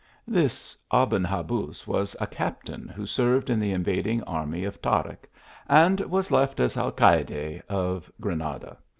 This Aben Habuz was a captain who served in the invading army of Taric, and was left as alcayde of Granada.